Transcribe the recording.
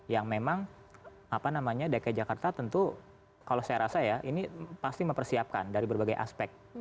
yang memang apa namanya dki jakarta tentu kalau saya rasa ya ini pasti mempersiapkan dari berbagai aspek